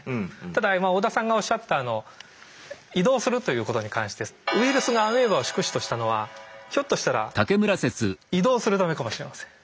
ただ織田さんがおっしゃった移動するということに関してウイルスがアメーバを宿主としたのはひょっとしたら移動するためかもしれません。